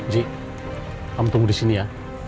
ji kamu tunggu di sini ya